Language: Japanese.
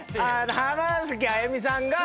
浜崎あゆみさんが。